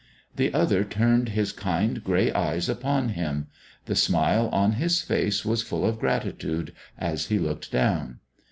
The other turned his kind grey eyes upon him; the smile on his face was full of gratitude as he looked down.